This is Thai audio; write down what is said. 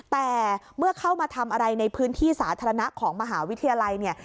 แต่เมื่อเข้ามาทำอะไรในพื้นที่สาธารณะของมหาวิทยาลัยเนี่ย